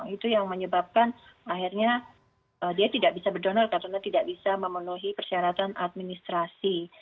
itu yang menyebabkan akhirnya dia tidak bisa berdonor karena tidak bisa memenuhi persyaratan administrasi